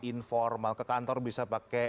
informal ke kantor bisa pakai